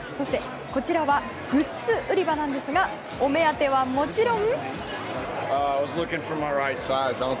こちらはグッズ売り場ですがお目当てはもちろん。